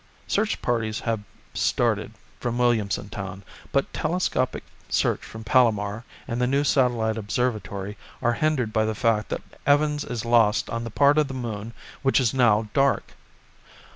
Search parties have started from Williamson Town, but telescopic search from Palomar and the new satellite observatory are hindered by the fact that Evans is lost on the part of the Moon which is now dark.